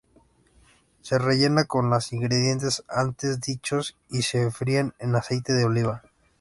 Se rellenan con los ingredientes antes dichos y se fríen en aceite de oliva.